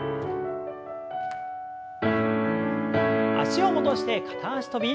脚を戻して片脚跳び。